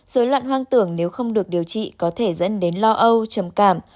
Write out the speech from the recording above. dối loạn hoang tưởng nếu không được điều trị có thể dẫn đến lo âu trầm cảm